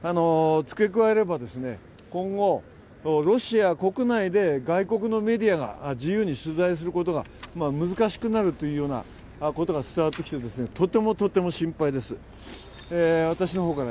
付け加えれば、今後、ロシア国内で外国のメディアが自由に取材することが難しくなるということが伝わってきてとてもとても心配です。